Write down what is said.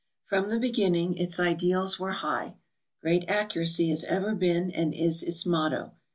From the beginning its ideals were high. Great accurac}' has ever been and is its motto.